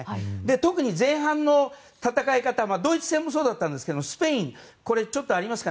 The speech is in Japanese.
特に前半の戦い方はドイツ戦もそうだったんですがスペイン、ちょっとありますか。